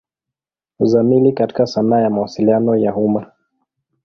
Uzamili katika sanaa ya Mawasiliano ya umma.